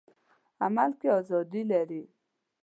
عمل کې ازادي لري.